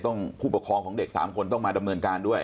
ผู้ปกครองของเด็ก๓คนต้องมาดำเนินการด้วย